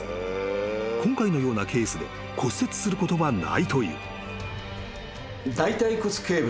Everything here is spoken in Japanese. ［今回のようなケースで骨折することはないという］